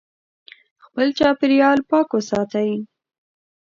خپل چاپیریال پاک وساتئ.